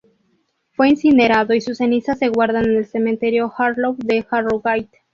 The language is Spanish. Fue incinerado, y sus cenizas se guardan en el Cementerio Harlow de Harrogate.